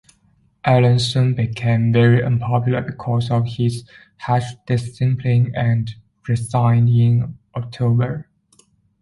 Allen soon became very unpopular because of his harsh discipline and resigned in October.